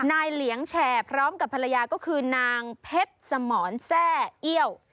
เหลียงแชร์พร้อมกับภรรยาก็คือนางเพชรสมรแซ่เอี้ยว